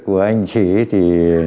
của anh chị